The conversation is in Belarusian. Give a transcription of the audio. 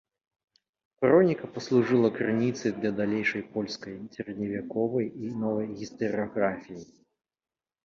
Хроніка паслужыла крыніцай для далейшай польскай сярэдневяковай і новай гістарыяграфіі.